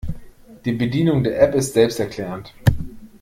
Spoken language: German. Die Bedienung der App ist selbsterklärend.